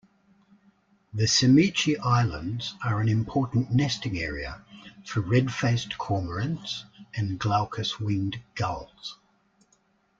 The Semichi Islands are an important nesting area for red-faced cormorants and glaucous-winged gulls.